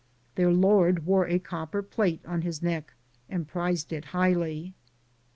Their lord wore a copper plate on his neck and prized it highly.